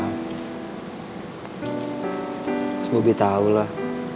mas bubi tau lah